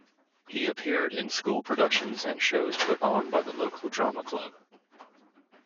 He appeared in school productions and shows put on by the local drama club.